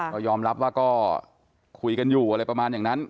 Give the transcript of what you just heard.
ก็ยอมรับว่าก็คุยกันอยู่อะไรประมาณอย่างนั้น